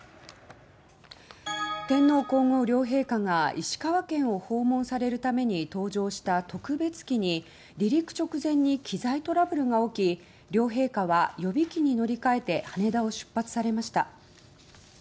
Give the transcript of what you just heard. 天皇・皇后両陛下が石川県を訪問されるために搭乗した特別機に離陸直前に機材トラブルが起き両陛下は予備機に乗り換えて羽田を出発されました。